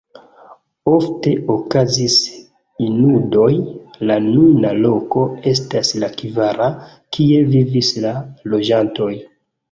Ofte okazis inundoj, la nuna loko estas la kvara, kie vivis la loĝantoj.